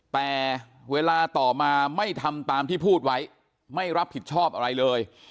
แต่เวลาต่อมาไม่ทำตามที่พูดไว้ไม่รับผิดชอบอะไรเลย